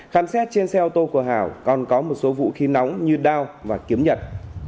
khám xét trên xe ô tô của hảo còn có một số vụ khi nóng như đau và kiếm nhận